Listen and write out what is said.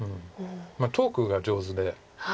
トークが上手で。